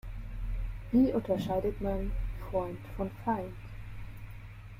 Wie unterscheidet man Freund von Feind?